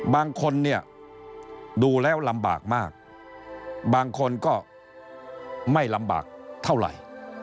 บางคนเนี่ยดูแล้วลำบากมากบางคนก็ไม่ลำบากเท่าไหร่